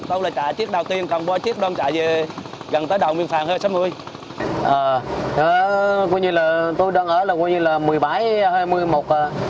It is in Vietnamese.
tôi là chạy chiếc đầu tiên còn bóng chiếc đông chạy về gần tới đầu miền phạm hơn sáu mươi